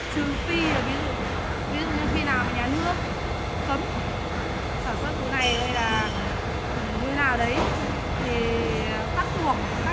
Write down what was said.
trừ khi ví dụ khi nào nhà nước cấm sản xuất này hay là mỗi nào đấy thì các nhà sản xuất này chuyển đổi không mà hay không phải chuyển đổi